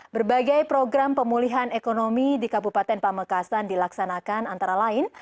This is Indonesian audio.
berbagai program pemulihan ekonomi di kabupaten pamekasan dilaksanakan antara lain